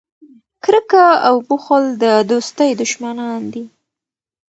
کرکه او بخل د دوستۍ دشمنان دي.